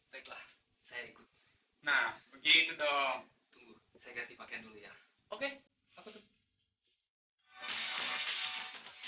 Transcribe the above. baiklah saya ikut